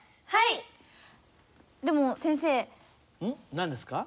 何ですか？